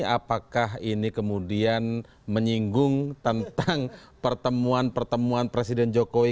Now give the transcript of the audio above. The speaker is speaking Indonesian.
apakah ini kemudian menyinggung tentang pertemuan pertemuan presiden jokowi